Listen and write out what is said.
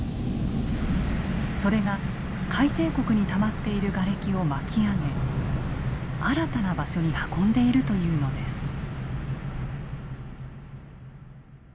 それが海底谷にたまっているガレキを巻き上げ新たな場所に運んでいるというのです。